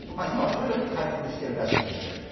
今は徐々に回復しているらしいですが。